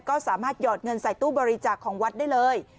ก็สามารถหยอดเงินใส่ตู้บริจาคของวัดได้เลย